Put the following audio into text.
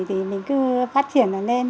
thì mình cứ phát triển nó lên